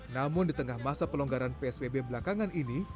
namun di tengah masa pelonggaran psbb belakangan ini